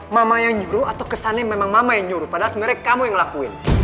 mama yang nyuruh atau kesannya memang mama yang nyuruh padahal sebenarnya kamu yang ngelakuin